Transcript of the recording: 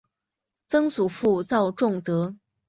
曾祖父赵仲德。